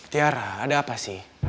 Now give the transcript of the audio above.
tiara ada apa sih